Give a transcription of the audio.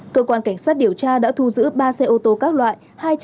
cơ quan cảnh sát điều tra đã thu giữ ba xe ô tô các loại